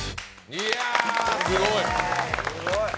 いや、すごい。